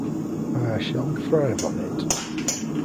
I shall thrive on it.